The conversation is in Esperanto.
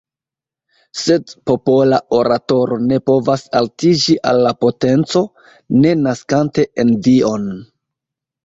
Sed popola oratoro ne povas altiĝi al la potenco, ne naskante envion.